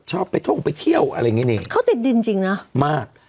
ชอบไปท่องไปเที่ยวอะไรอย่างนี้นี่เขาติดดินจริงนะมาก